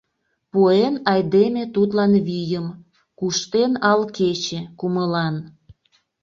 Пуэн айдеме тудлан вийым, Куштен ал кече, кумылан.